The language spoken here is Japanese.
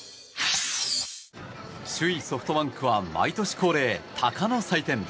首位ソフトバンクは毎年恒例、鷹の祭典。